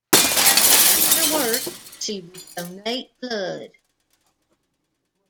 After work she would donate blood.